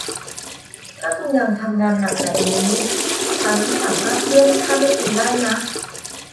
ถ้าคุณยังทำงานหนักแบบนี้ ฉันสามารถเลื่อนขั้นให้คุณได้นะ